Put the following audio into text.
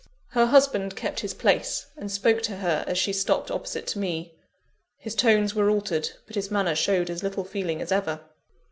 Her husband kept his place, and spoke to her as she stopped opposite to me. His tones were altered, but his manner showed as little feeling as ever.